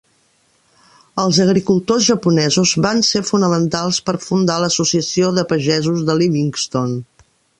Els agricultors japonesos van ser fonamentals per fundar l'Associació de Pagesos de Livingston.